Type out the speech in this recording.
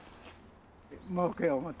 儲けよう思って。